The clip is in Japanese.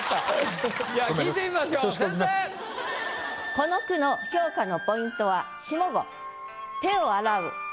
この句の評価のポイントは下五。